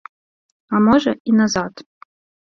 А можа, і назад.